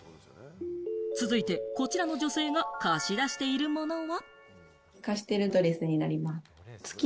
続いて、こちらの女性が貸し出しているものは？